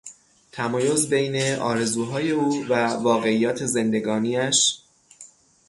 تمایز بین آرزوهای او و واقعیات زندگانیش